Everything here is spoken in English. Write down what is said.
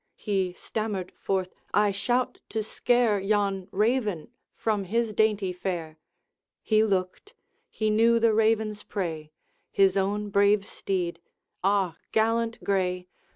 He stammered forth, 'I shout to scare Yon raven from his dainty fare.' He looked he knew the raven's prey, His own brave steed: 'Ah! gallant gray!